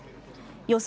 予想